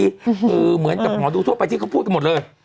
คือเหมือนกับหมอดูทั่วไปที่เขาพูดกันหมดเลย